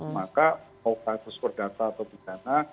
maka kasus perdata atau pidana